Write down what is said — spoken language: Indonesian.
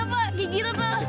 bapak jangan malu malu dong